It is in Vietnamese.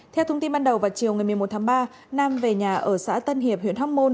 theo thông tin ban đầu vào chiều ngày một mươi một tháng ba nam về nhà ở xã tân hiệp huyện hóc môn